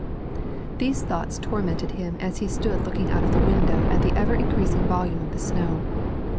These thoughts tormented him as he stood looking out of the window at the ever increasing volume of the snow.